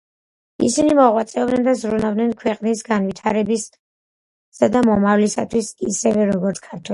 ისინი მოღვაწეობდნენ და ზრუნავდნენ ქვეყნის განვითარებისა და მომავლისათვის ისევე, როგორც ქართველები.